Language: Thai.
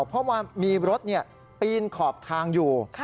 เพราะว่ามีรถปีนขอบทางอยู่